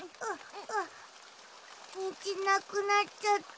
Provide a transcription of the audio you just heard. にじなくなっちゃった。